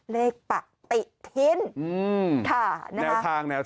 เลขปฏิทิน